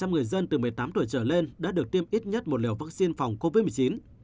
tám mươi ba người dân từ một mươi tám tuổi trở lên đã được tiêm ít nhất một liều vaccine phòng covid một mươi chín